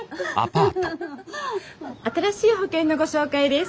新しい保険のご紹介です。